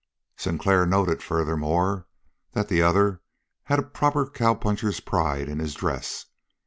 Sinclair noted, furthermore, that the other had a proper cowpuncher's pride in his dress.